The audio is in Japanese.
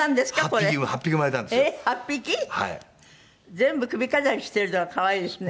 全部首飾りしてるのが可愛いですね。